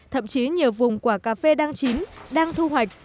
thậm chí nhiều vùng quả cà phê đang chín đang thu hoạch